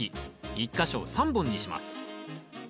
１か所３本にします。